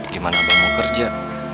gimana abang mau kerja